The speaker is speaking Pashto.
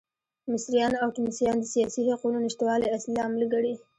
مصریان او ټونسیان د سیاسي حقونو نشتوالی اصلي لامل ګڼي.